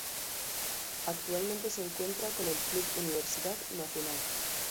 Actualmente se encuentra con el Club Universidad Nacional.